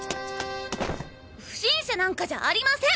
不審者なんかじゃありません！